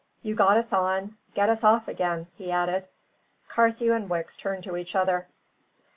"You got us on; get us off again," he added. Carthew and Wicks turned to each other.